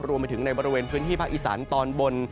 รวมไปถึงในบริเวณพื้นที่ภาคอีสานตอนบน